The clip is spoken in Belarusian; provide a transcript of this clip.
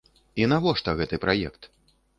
І навошта гэты праект?